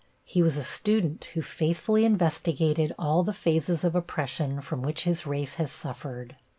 He was a student who faithfully investigated all the phases of oppression from which his race has suffered.